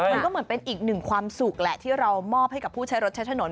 มันก็เหมือนเป็นอีกหนึ่งความสุขแหละที่เรามอบให้กับผู้ใช้รถใช้ถนน